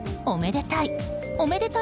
おめでたい！